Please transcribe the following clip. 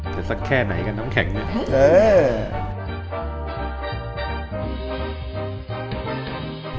เดี๋ยวสักแค่ไหนกับน้ำแข็งเนี่ย